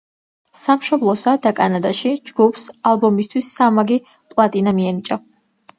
სამშობლოსა და კანადაში ჯგუფს ალბომისთვის სამმაგი პლატინა მიენიჭა.